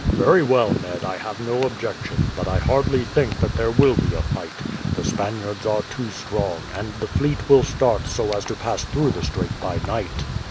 "Very well, Ned, I have no objection; but I hardly think that there will be a fight. The Spaniards are too strong, and the fleet will start so as to pass through the strait by night."